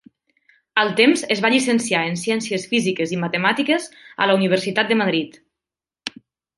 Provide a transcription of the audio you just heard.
Al temps es va llicenciar en Ciències Físiques i Matemàtiques, a la Universitat de Madrid.